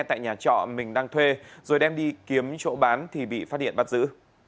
tại nhà trọ mình đang thuê rồi đem đi kiếm chỗ bán thì bị phát hiện bắt giữ